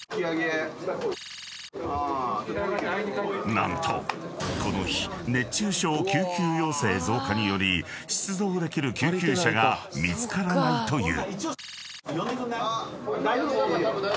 ［何とこの日熱中症救急要請増加により出動できる救急車が見つからないという］